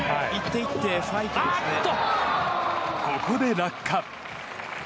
ここで落下。